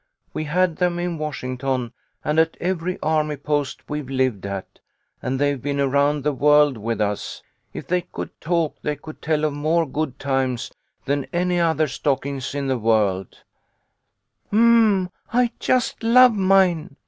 We had them in Washington and at every army post we've lived at, and they've been around the world with us. If they could talk they could tell of more good times than any other stockings in the world" " Um ! I just love mine